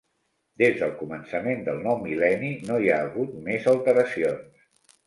Des del començament del nou mil·lenni no hi ha hagut més alteracions.